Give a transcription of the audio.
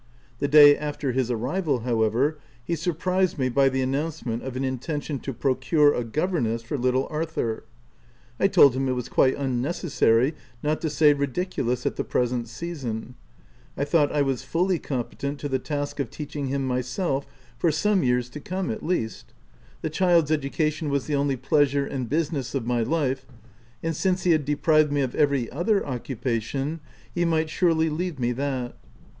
The day after his arrival, however, he surprised me by the announcement of an intention to procure a governess for little Ar thur : I told him it was quite unnecessary, not to say ridiculous, at the present season : I thought I was fully competent to the task of teaching him myself— for some years to come, OF WILDFELL HALL. 99 at least : the child's education was the only pleasure and business of my life ; and since he had deprived me of every other occupation, he might surely leave me that.